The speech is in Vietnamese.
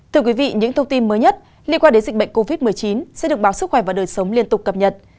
thưa quý vị những thông tin mới nhất liên quan đến dịch bệnh covid một mươi chín sẽ được báo sức khỏe và đời sống liên tục cập nhật